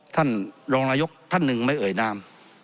ท่านรองนายกท่านหนึ่งไม่เอ่ยนาม